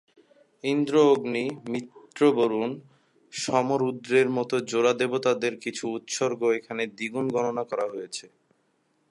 ইন্দ্র-অগ্নি, মিত্র-বরুণ, সোম-রুদ্রের মতো জোড়া দেবতাদের কিছু উৎসর্গ এখানে দ্বিগুণ গণনা করা হয়েছে।